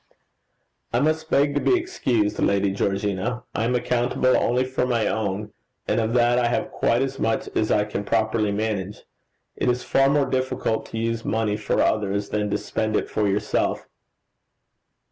'I must beg to be excused, Lady Georgina. I am accountable only for my own, and of that I have quite as much as I can properly manage. It is far more difficult to use money for others than to spend it for yourself.'